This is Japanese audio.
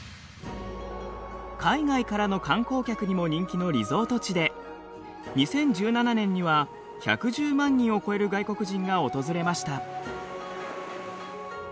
海外からの観光客にも人気のリゾート地で２０１７年には１１０万人を超える外国人が訪れました。